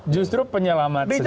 justru penyelamat sejarah